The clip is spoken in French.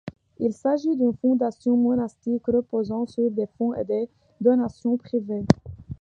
Il s'agit d'une fondation monastique reposant sur des fonds et des donations privées.